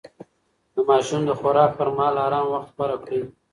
د ماشوم د خوراک پر مهال ارام وخت غوره کړئ.